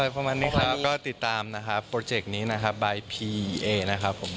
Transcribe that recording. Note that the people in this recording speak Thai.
ประมาณนี้ครับก็ติดตามนะครับโปรเจกต์นี้นะครับบายพีอีเอนะครับผม